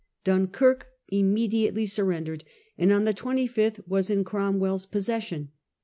Dunkirk immediately surrendered, and on the 25th was in Cromwell's possession.